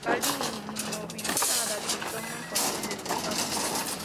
Calvin inmoviliza a David y toma el control de su cápsula.